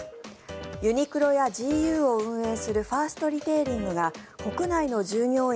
ユニクロやＧＵを運営するファーストリテイリングが国内の従業員